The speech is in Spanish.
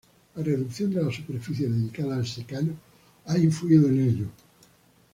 La reducción de la superficie dedicada al secano ha influido en ello.